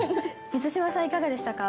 満島さん、いかがでしたか？